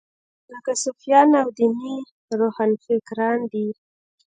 لکه صوفیان او دیني روښانفکران دي.